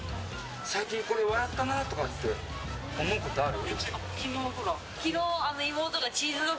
最近これ笑ったなとかって思うことある？